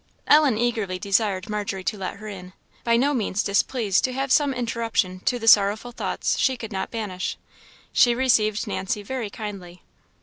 Ellen eagerly desired Margery to let her in; by no means displeased to have some interruption to the sorrowful thoughts she could not banish. She received Nancy very kindly.